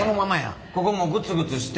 ここもうグツグツして。